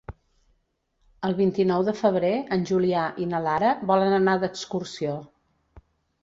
El vint-i-nou de febrer en Julià i na Lara volen anar d'excursió.